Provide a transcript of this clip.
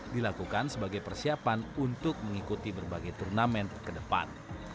dilakukan sebagai persiapan untuk mengikuti berbagai turnamen ke depan